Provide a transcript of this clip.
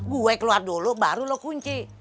gue keluar dulu baru lo kunci